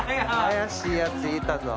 怪しいやついたぞ。